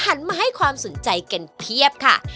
หันมาให้ความสนใจกันเพียบค่ะ